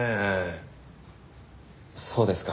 そうですか。